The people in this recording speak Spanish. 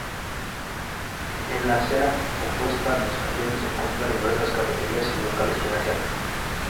En la acera opuesta a los jardines se encuentran diversas cafeterías y locales comerciales.